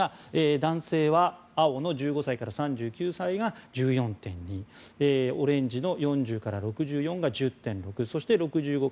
男性は青の１５歳から３９歳が１４．２オレンジの４０６４が１０．６６５